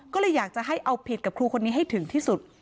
ก็เลยอยากจะให้เอาผิดกับครูคนนี้ให้ถึงที่สุด